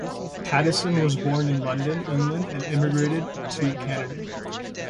Pattison was born in London, England and emigrated to Canada.